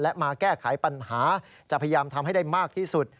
และมาแก้ไขปัญหาจะพยายามทำให้ได้มากที่สุด